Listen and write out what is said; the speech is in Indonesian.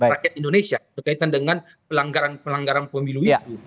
rakyat indonesia berkaitan dengan pelanggaran pelanggaran pemilu itu